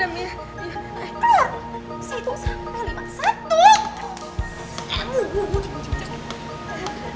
situ sampai lewat satu